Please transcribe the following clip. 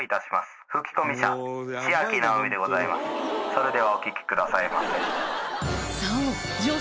それではお聴きくださいませ。